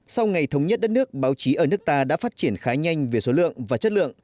sau ngày thống nhất đất nước báo chí ở nước ta đã phát triển khá nhanh về số lượng và chất lượng